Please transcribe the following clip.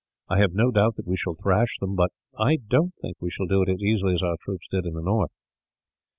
I have no doubt that we shall thrash them, but I don't think we shall do it as easily as our troops did in the north."